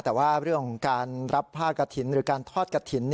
แต่ว่าเรื่องของการรับผ้ากระถิ่นหรือการทอดกระถิ่น